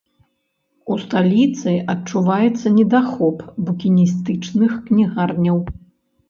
У сталіцы адчуваецца недахоп букіністычных кнігарняў.